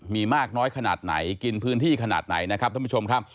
มีมากน้อยขนาดไหนกินพื้นที่ขนาดไหนนะครับท่านผู้ชมครับ